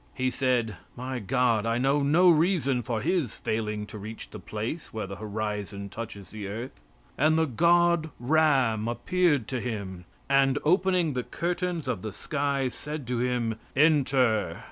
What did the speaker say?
He said, "My God, I know no reason for his failing to reach the place where the horizon touches the earth;" and the god Ram appeared to him, and opening the curtains of the sky, said to him: "Enter."